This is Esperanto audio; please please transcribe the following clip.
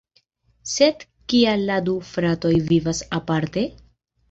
Sed kial la du "fratoj" vivas aparte?